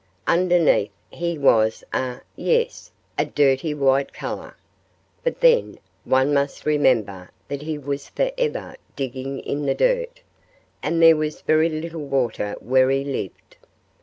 Underneath he was a yes! a dirty white color. But then, one must remember that he was forever digging in the dirt; and there was very little water where he lived.